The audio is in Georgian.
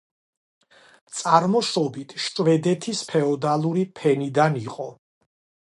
წარმოშობით შვედეთის ფეოდალური ფენიდან იყო.